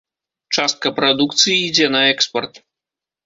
Частка прадукцыі ідзе на экспарт.